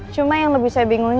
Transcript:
cuma yang lebih saya bingung